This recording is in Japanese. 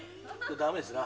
駄目ですな。